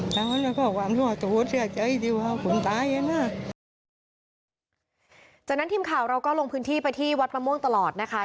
จากนั้นทีมข่าวเราก็ลงพื้นที่ไปที่วัดมะม่วงตลอดนะคะ